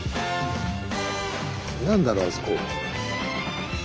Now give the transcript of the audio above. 何だろうあそこ。